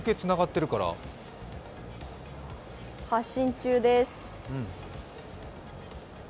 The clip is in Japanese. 発信中です。